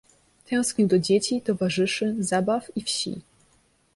Tęsknił do dzieci, towarzyszy zabaw, i wsi.